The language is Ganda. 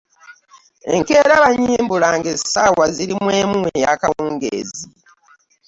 Enkeera bannyimbula ng'essaawa ziri mu emu ey'akawungeezi.